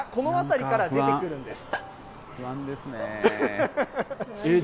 この辺りから出てくるんです。